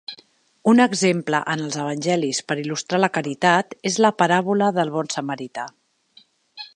Un exemple en els evangelis per il·lustrar la caritat és la paràbola del Bon Samarità.